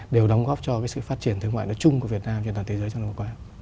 đều đóng góp cho cái sự phát triển thương mại nó chung của việt nam trên toàn thế giới trong lúc qua